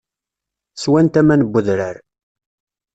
Swant aman n wedrar.